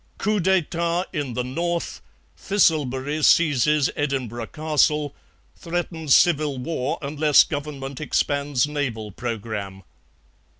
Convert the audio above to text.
"COUP D'ÉTAT in the North. Thistlebery seizes Edinburgh Castle. Threatens civil war unless Government expands naval programme."